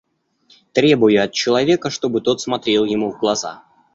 Требуя от человека, чтобы тот смотрел ему в глаза.